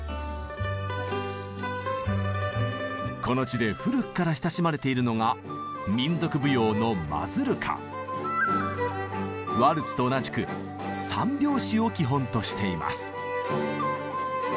この地で古くから親しまれているのがワルツと同じく３拍子を基本としています。